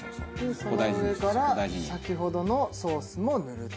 その上から先ほどのソースも塗ると。